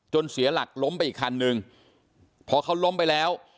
เสียหลักล้มไปอีกคันนึงพอเขาล้มไปแล้ว